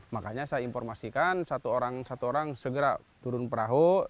makanya saya informasikan satu orang segera turun perahu